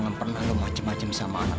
jangan pernah lo macem macem sama anak anak